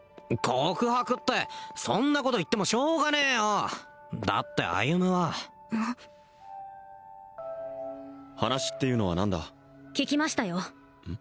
告白ってそんなこと言ってもしょうがねえよだって歩は話っていうのは何だ聞きましたよ